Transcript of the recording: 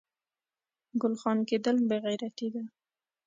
ګل خان کیدل بې غیرتي ده